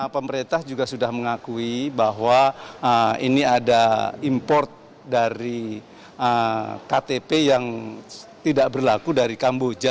pemerintah juga sudah mengakui bahwa ini ada import dari ktp yang tidak berlaku dari kamboja